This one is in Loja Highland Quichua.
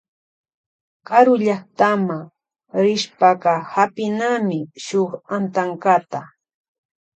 Karullaktama rishpaka hapinami shuk antankata.